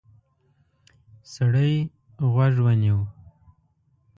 سړی غوږ ونیو.